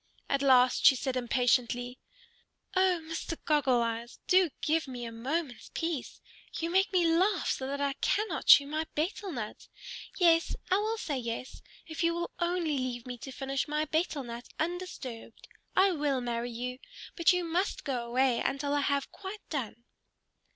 At last she said impatiently, "O Mr. Goggle Eyes! Do give me a moment's peace! You make me laugh so that I cannot chew my betel nut. Yes, I will say yes, if you will only leave me to finish my betel nut undisturbed. I will marry you. But you must go away until I have quite done."